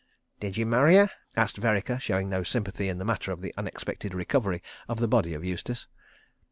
"Did you marry her?" asked Vereker, showing no sympathy in the matter of the unexpected recovery of the body of Eustace.